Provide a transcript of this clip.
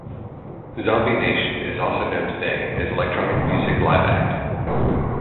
Zombie Nation is also known today as electronic music liveact.